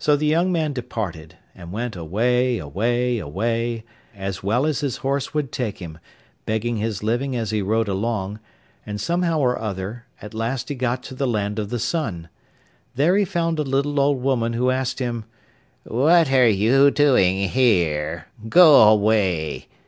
So the young man departed, and went away, away, away, as well as his horse would take him, begging his living as he rode along, and, somehow or other, at last he got to the land of the sun. There he found a little old woman, who asked him, 'What are you doing here? Go away.